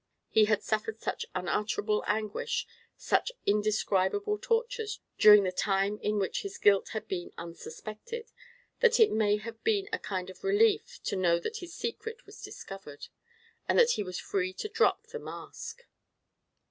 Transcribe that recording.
He had suffered such unutterable anguish, such indescribable tortures, during the time in which his guilt had been unsuspected, that it may have been a kind of relief to know that his secret was discovered, and that he was free to drop the mask.